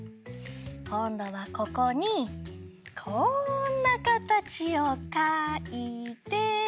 こんどはここにこんなかたちをかいて。